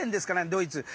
ドイツは。